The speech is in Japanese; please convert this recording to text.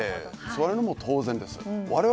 それはもう当然です。